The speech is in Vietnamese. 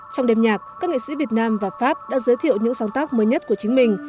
trong đêm nhạc các nghệ sĩ việt nam và pháp đã giới thiệu những sáng tác mới nhất của chính mình